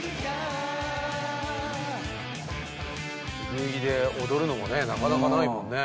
『ヴギウギ』で踊るのもねなかなかないもんね。